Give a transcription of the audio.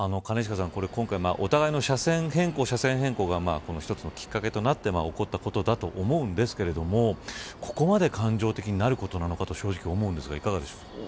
お互いの車線変更が一つのきっかけとなって起こったことだと思うんですけどここまで感情的になることなのかと正直思うんですがいかがでしょう。